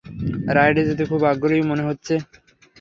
রাইডে যেতে খুব আগ্রহী মনে হচ্ছে।